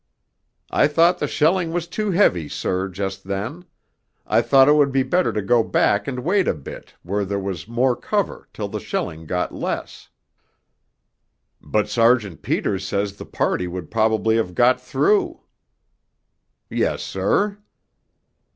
'I thought the shelling was too heavy, sir, just then; I thought it would be better to go back and wait a bit where there was more cover till the shelling got less....' 'But Sergeant Peters says the party would probably have got through?' 'Yes, sir.'